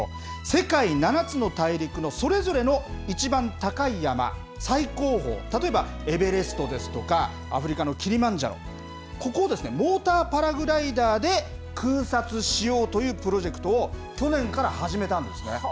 世界７つの大陸のそれぞれの一番高い山、最高峰、例えばエベレストですとか、アフリカのキリマンジャロ、ここをモーターパラグライダーで空撮しようというプロジェクトを、去年から始めたんですね。